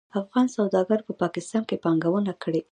افغان سوداګرو په پاکستان پانګونه کړې.